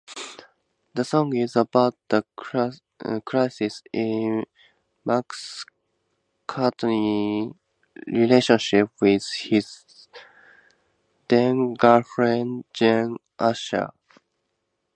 The song is about a crisis in McCartney's relationship with his then-girlfriend Jane Asher.